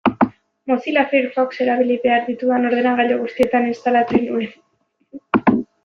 Mozilla Firefox erabili behar ditudan ordenagailu guztietan instalatzen nuen.